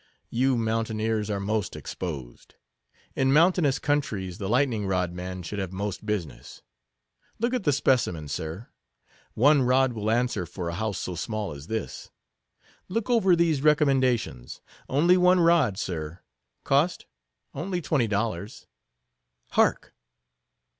You mountaineers are most exposed. In mountainous countries the lightning rod man should have most business. Look at the specimen, sir. One rod will answer for a house so small as this. Look over these recommendations. Only one rod, sir; cost, only twenty dollars. Hark!